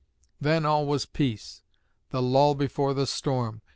Then all was peace the lull before the storm.